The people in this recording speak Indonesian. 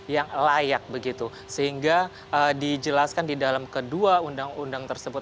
yang layak begitu sehingga dijelaskan di dalam kedua undang undang tersebut